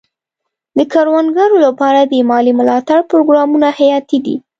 د کروندګرو لپاره د مالي ملاتړ پروګرامونه حیاتي دي.